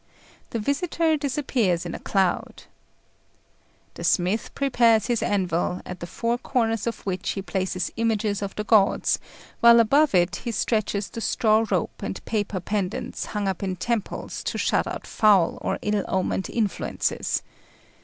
The visitor disappears in a cloud. The smith prepares his anvil, at the four corners of which he places images of the gods, while above it he stretches the straw rope and paper pendants hung up in temples to shut out foul or ill omened influences.